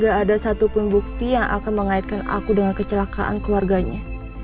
gak ada satupun bukti yang akan mengaitkan aku dengan kecelakaan keluarganya